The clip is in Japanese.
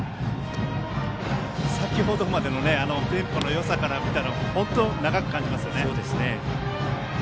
先程までのテンポのよさから見たら本当、長く感じますね。